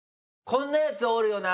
こんなやつおるよな。